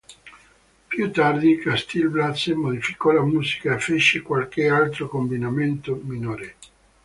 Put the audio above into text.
Più tardi, Castil-Blaze modificò la musica e fece qualche altro cambiamento minore.